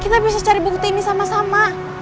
kita bisa cari bukti ini sama sama